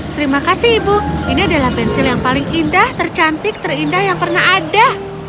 terima kasih ibu ini adalah pensil yang paling indah tercantik terindah yang pernah ada